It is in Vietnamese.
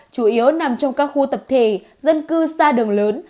nếu nằm trong các khu tập thể dân cư xa đường lớn